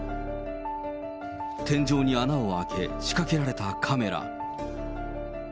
天井に穴を開け、仕掛けられたカメラ。